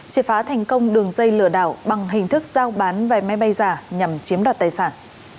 triệt phá thành công đường dây lừa đảo bằng hình thức giao bán vé máy bay giả nhằm chiếm đoạt tài sản